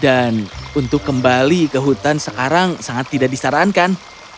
dan untuk kembali ke hutan sekarang sangat tidak disarankan